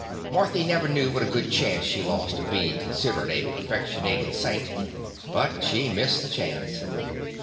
Marthy never knew what a good chance she lost of being considered a perfectionated saint, but she missed the chance.